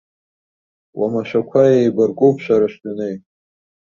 Уамашәақәа еибаркуп шәара шәдунеи!